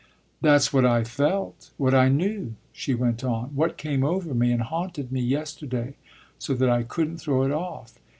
"That's what I felt, what I knew," she went on "what came over me and haunted me yesterday so that I couldn't throw it off.